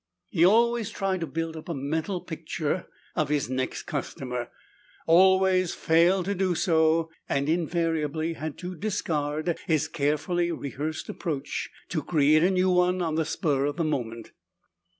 He always tried to build up a mental picture of his next customer, always failed to do so, and invariably had to discard his carefully rehearsed approach to create a new one on the spur of the moment.